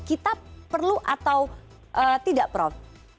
kita perlu atau tidak prof